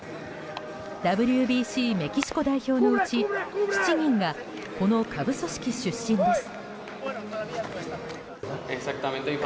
ＷＢＣメキシコ代表のうち７人がこの下部組織出身です。